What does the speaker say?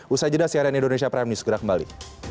usai jeda cnn indonesia prime news segera kembali